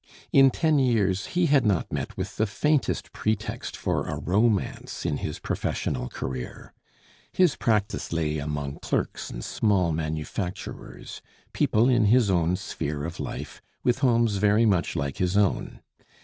In ten years he had not met with the faintest pretext for a romance in his professional career; his practice lay among clerks and small manufacturers, people in his own sphere of life, with homes very much like his own.